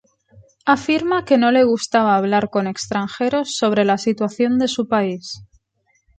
Afirma que no le gustaba hablar con extranjeros sobre la situación de su país.